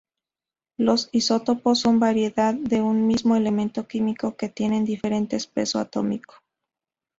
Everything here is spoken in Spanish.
Los isótopos son variedades de un mismo elemento químico que tienen diferente peso atómico.